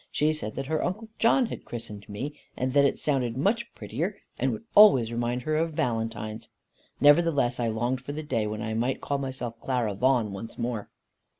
She said that her Uncle John had christened me, that it sounded much prettier, and would always remind her of Valentines. Nevertheless I longed for the day when I might call myself "Clara Vaughan" once more.